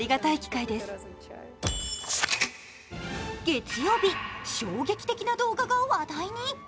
月曜日、衝撃的な動画が話題に。